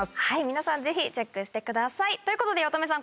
皆さんぜひチェックしてください。ということで八乙女さん